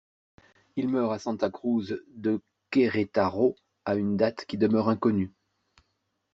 Il meurt à Santa Cruz de Querétaro à une date qui demeure inconnue.